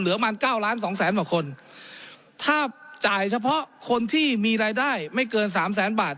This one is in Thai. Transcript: มาเก้าล้านสองแสนกว่าคนถ้าจ่ายเฉพาะคนที่มีรายได้ไม่เกินสามแสนบาท